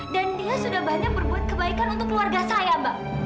dan dia sudah banyak berbuat kebaikan untuk keluarga saya mbak